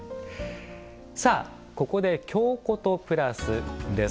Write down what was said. さあ、ここで「京コト＋」です。